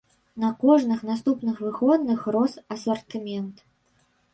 Да кожных наступных выходных рос асартымент.